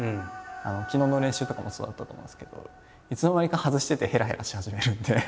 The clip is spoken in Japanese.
昨日の練習とかもそうだったと思うんですけどいつの間にか外しててへらへらし始めるんで。